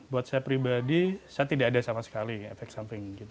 buat saya pribadi saya tidak ada sama sekali efek samping